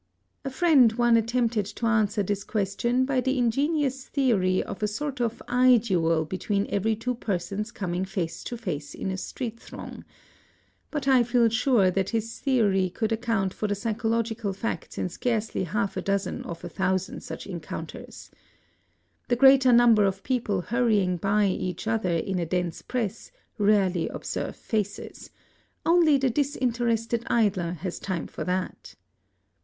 A friend once attempted to answer this question by the ingenious theory of a sort of eye duel between every two persons coming face to face in a street throng; but I feel sure that his theory could account for the psychological facts in scarcely half a dozen of a thousand such encounters. The greater number of people hurrying by each other in a dense press rarely observe faces: only the disinterested idler has time for that.